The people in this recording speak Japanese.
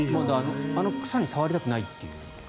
あの草に触りたくないっていう。